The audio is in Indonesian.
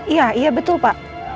iya iya betul pa